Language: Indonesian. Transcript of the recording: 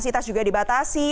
ini juga dibatasi